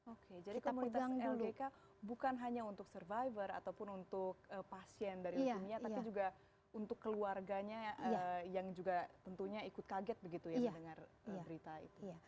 oke jadi komunitas lgk bukan hanya untuk survivor ataupun untuk pasien dari leukemia tapi juga untuk keluarganya yang juga tentunya ikut kaget begitu ya mendengar berita itu